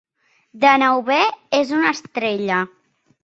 Deneuve és una estrella.